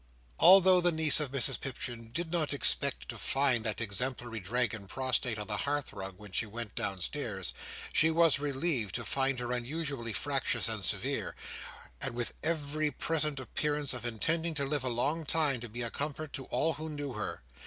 Although the niece of Mrs Pipchin did not expect to find that exemplary dragon prostrate on the hearth rug when she went downstairs, she was relieved to find her unusually fractious and severe, and with every present appearance of intending to live a long time to be a comfort to all who knew her.